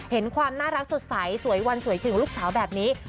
เห็นความน่ารักสดใสสวยวันสวยถึงลูกสาวแบบนี้